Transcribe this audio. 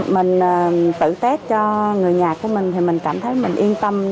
mình tự test cho người nhà của mình thì mình cảm thấy mình yên tâm